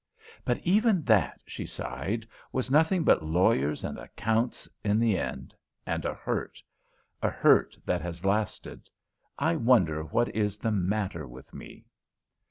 "But even that," she sighed, "was nothing but lawyers and accounts in the end and a hurt. A hurt that has lasted. I wonder what is the matter with me?"